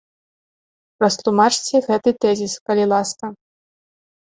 Растлумачце гэты тэзіс, калі ласка.